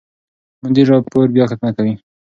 مدیر راپور بیاکتنه کوي.